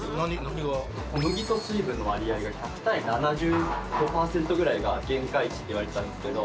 小麦と水分の割合が１００対７５％ぐらいが限界値っていわれてたんですけど